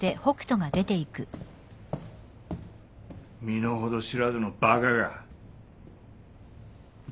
身の程知らずのバカが。